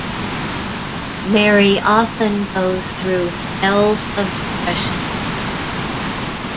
Mary often goes through spells of depression.